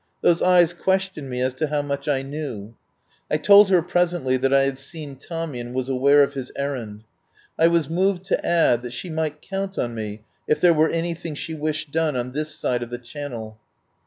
Those eyes questioned me as to how much I knew. I told her presently that I had seen Tommy and was aware of his errand. I was moved to add that she might count on me if there were anything she wished done on this side of the Channel.